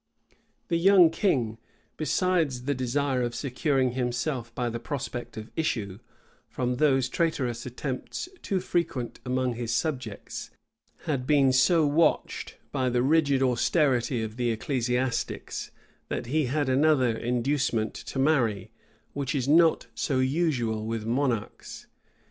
The young king, besides the desire of securing himself, by the prospect of issue, from those traitorous attempts too frequent among his subjects had been so watched by the rigid austerity of the ecclesiastics, that he had another inducement to marry, which is not so usual with monarchs.